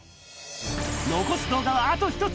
残す動画はあと１つ。